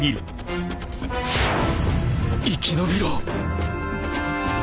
生き延びろ！